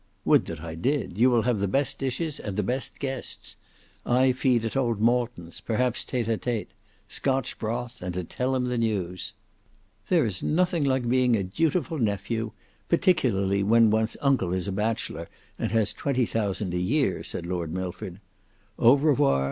"Would that I did! You will have the best dishes and the best guests. I feed at old Malton's; perhaps a tete a tete: Scotch broth, and to tell him the news!" "There is nothing like being a dutiful nephew, particularly when one's uncle is a bachelor and has twenty thousand a year," said Lord Milford. "Au revoir!